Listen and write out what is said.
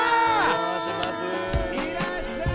いらっしゃいませ。